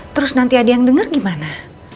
terus nanti ada yang denger gimana